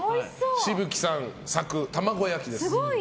紫吹さん作、卵焼きです。